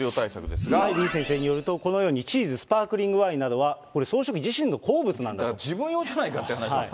李先生によると、このようにチーズ、スパークリングワインなどは、これ、総書記自身の好物な自分用じゃないかって話も。